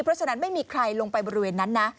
เพราะฉะนั้นไม่มีใครลงไปบริเวณนั้นนะ